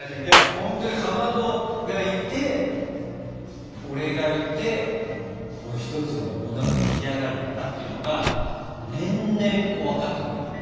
ほんとにかまどがいて俺がいてこの一つのものが出来上がるんだなっていうのが年々分かってくるよね。